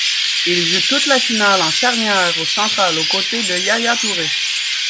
Il joue toute la finale en charnière centrale aux côtés de Yaya Touré.